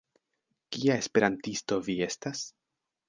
Kia Esperantisto vi estas?